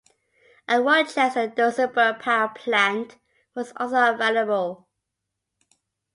A Rochester-Duesenberg power plant was also available.